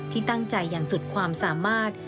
ที่ตั้งใจอย่างสุดความสามารถ